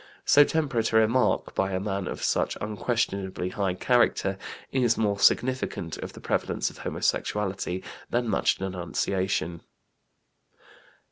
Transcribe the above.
" So temperate a remark by a man of such unquestionably high character is more significant of the prevalence of homosexuality than much denunciation.